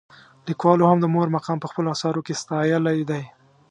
لیکوالو هم د مور مقام په خپلو اثارو کې ستایلی دی.